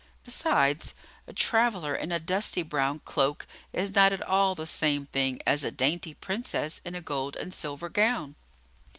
Besides, a traveller in a dusty brown cloak is not at all the same thing as a dainty Princess in a gold and silver gown.